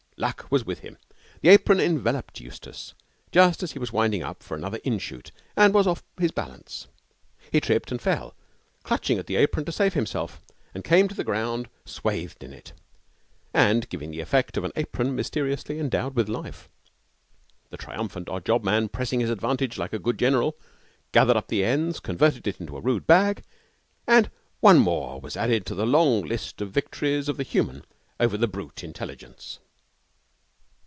Luck was with him. The apron enveloped Eustace just as he was winding up for another inshoot and was off his balance. He tripped and fell, clutched at the apron to save himself, and came to the ground swathed in it, giving the effect of an apron mysteriously endowed with life. The triumphant odd job man, pressing his advantage like a good general, gathered up the ends, converted it into a rude bag, and one more was added to the long list of the victories of the human over the brute intelligence.